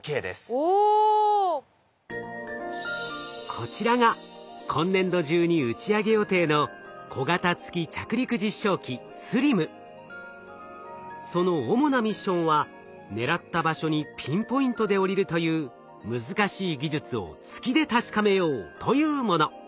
こちらが今年度中に打ち上げ予定のその主なミッションは狙った場所にピンポイントで降りるという難しい技術を月で確かめようというもの。